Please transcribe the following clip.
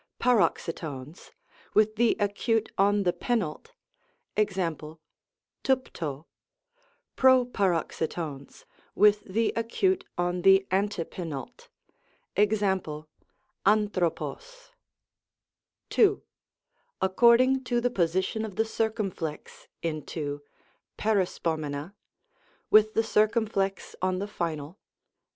Paroxytones, with the acute on the penult. Ex.^ tvtitco, Proparoxytones, with the acute on the antepenult. JEx.^ av&QcoTtog. II. According to the position of the circumflex into: Perispomena, with the circumflex on the final.